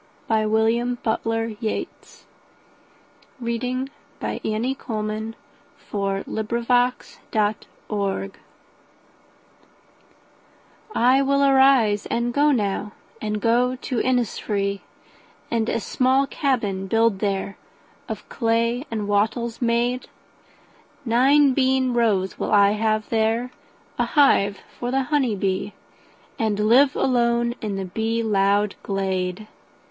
1920. William Butler Yeats1865–1939 The Lake Isle of Innisfree I WILL arise and go now, and go to Innisfree, And a small cabin build there, of clay and wattles made; Nine bean rows will I have there, a hive for the honey bee, And live alone in the bee loud glade.